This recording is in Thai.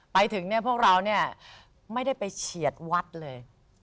ไปถึงพวกเราไม่ได้ไปเฉียดวัดเลย